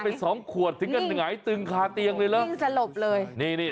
อะอะมีที่มา